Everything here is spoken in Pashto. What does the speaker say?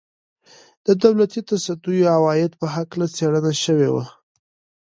د دولتي تصدیو عوایدو په هکله څېړنه شوې وه.